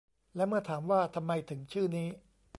และเมื่อถามว่าทำไมถึงชื่อนี้